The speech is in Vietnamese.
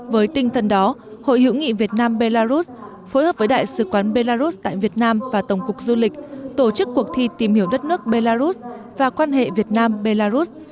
với tinh thần đó hội hiểu nghị việt nam belarus phối hợp với đại sứ quán belarus tại việt nam và tổng cục du lịch tổ chức cuộc thi tìm hiểu đất nước belarus và quan hệ việt nam belarus